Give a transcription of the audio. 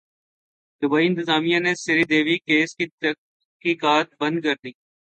Dubai انتظامیہ نے Sridevi case کی تحقیقات بند کردی